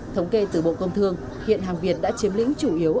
thống kê từ bộ công thương hiện hàng việt đã chiếm lĩnh chủ yếu